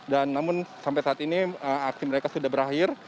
dan namun sampai saat ini aksi mereka sudah berakhir